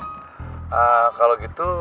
sekarang mas mampir sebentar ke kantor